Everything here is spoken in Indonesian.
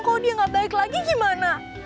kok dia gak baik lagi gimana